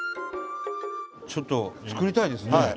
ちょっと作りたいですね。